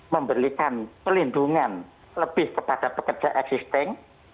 memberikan pelindungan lebih kepada pekerja existing